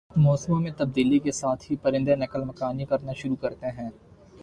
موسموں میں تبدیلی کے ساتھ ہی پرندے نقل مکانی کرنا شروع کرتے ہیں